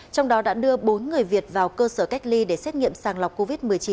trong đó đã đưa bốn người việt vào cơ sở cách ly để xét nghiệm sàng lọc covid một mươi chín